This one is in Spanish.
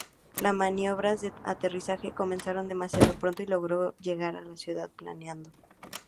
Las maniobras de aterrizaje comenzaron demasiado pronto y logró llegar a la ciudad planeando.